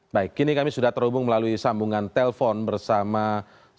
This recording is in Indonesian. baik kini kami sudah terhubung melalui sambungan telpon bersama sama